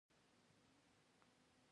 ریښتینی بدلون د انسان دننه پیښیږي.